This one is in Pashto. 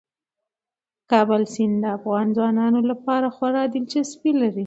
د کابل سیند د افغان ځوانانو لپاره خورا دلچسپي لري.